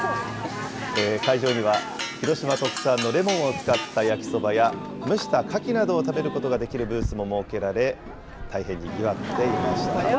会場には、広島特産のレモンを使った焼きそばや蒸したカキなどを食べることができるブースも設けられ、大変にぎわっていました。